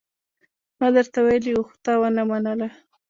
ما درته ويلي وو، خو تا ونه منله.